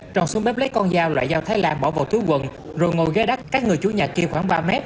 tròn xuống bếp lấy con dao loại dao thái lan bỏ vào thứ quần rồi ngồi ghé đắt các người chủ nhà kia khoảng ba m